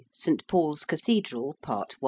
ST. PAUL'S CATHEDRAL. PART I.